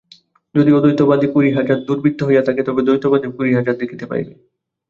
যদি অদ্বৈতবাদী কুড়ি হাজার দুর্বৃত্ত হইয়া থাকে, তবে দ্বৈতবাদীও কুড়ি হাজার দেখিতে পাইবে।